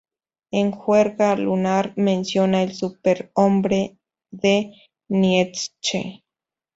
En "Juerga Lunar" menciona al superhombre de Nietzsche.